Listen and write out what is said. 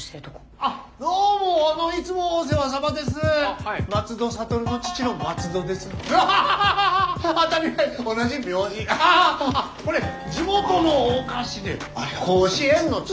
あっこれ地元のお菓子で甲子園の土！